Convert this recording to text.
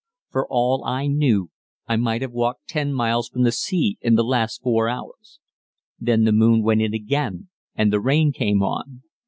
For all I knew I might have walked 10 miles from the sea in the last four hours. Then the moon went in again and the rain came on.